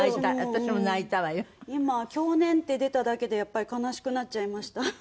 今「享年」って出ただけでやっぱり悲しくなっちゃいました。